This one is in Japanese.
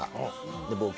で僕。